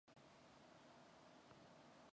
Ийм хүнийг юу ч гэж буруут болгох билээ.